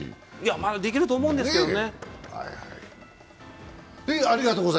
まだできると思うんですけどね。